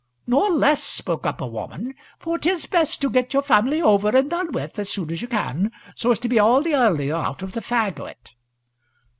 "Nor less," spoke up a woman; "for 'tis best to get your family over and done with as soon as you can, so as to be all the earlier out of the fag o't."